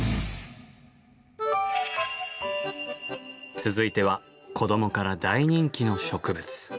続いては子どもから大人気の植物。